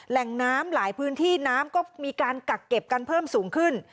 แหล่งน้ำหลายพื้นที่น้ำก็มีการกักเก็บกันเพิ่มสูงขึ้น